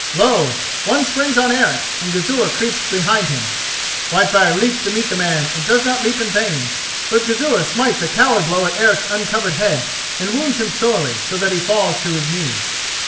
Lo! one springs on Eric, and Gizur creeps behind him. Whitefire leaps to meet the man and does not leap in vain; but Gizur smites a coward blow at Eric's uncovered head, and wounds him sorely, so that he falls to his knee.